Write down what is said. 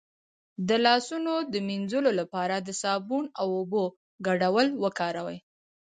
د لاسونو د مینځلو لپاره د صابون او اوبو ګډول وکاروئ